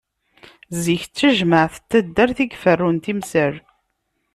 Zik d tajmeɛt n taddart i iferrun timsal.